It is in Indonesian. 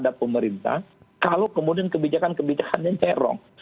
jadi kalau kebijakan kebijakan itu terhadap pemerintah kalau kemudian kebijakan kebijakan yang terong